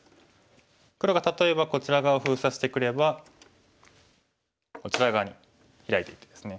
黒が例えばこちら側封鎖してくればこちら側にヒラいていってですね。